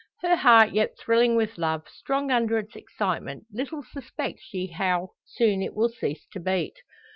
Her heart yet thrilling with love, strong under its excitement, little suspects she how soon it will cease to beat.